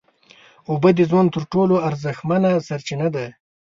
اوبه د ژوند تر ټولو ارزښتمنه سرچینه ده